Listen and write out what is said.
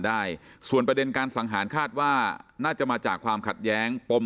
ได้ส่วนประเด็นการสังหารคาดว่าน่าจะมาจากความขัดแย้งปม